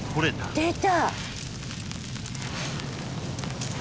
出た。